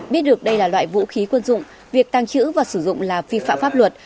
biết được đây là loại vũ khí quân dụng việc tăng trữ và sử dụng là vi phạm pháp luật